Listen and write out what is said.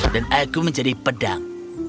dan aku menjadi pedang